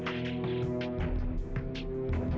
terima kasih mas